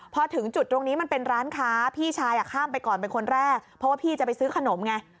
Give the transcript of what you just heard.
พอถึงจุดตรงนี้มันเป็นร้านค้าพี่ชายข้ามไปก่อนเป็นคนแรกเพราะว่าพี่จะไปซื้อขนมไง